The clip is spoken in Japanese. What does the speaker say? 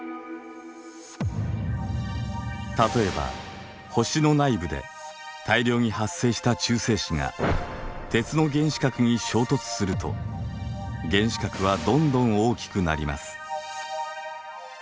例えば星の内部で大量に発生した中性子が鉄の原子核に衝突すると原子核はどんどん大きくなります。